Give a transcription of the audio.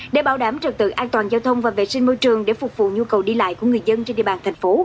để bảo đảm trật tự an toàn giao thông và vệ sinh môi trường để phục vụ nhu cầu đi lại của người dân trên địa bàn thành phố